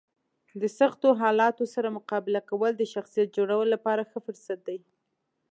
د سختو حالاتو سره مقابله کول د شخصیت جوړولو لپاره ښه فرصت دی.